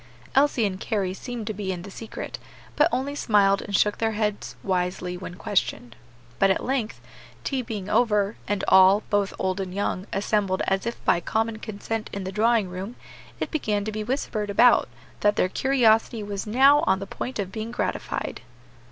Elsie and Carry seemed to be in the secret, but only smiled and shook their heads wisely when questioned. But at length tea being over, and all, both old and young, assembled as if by common consent in the drawing room, it began to be whispered about that their curiosity was now on the point of being gratified.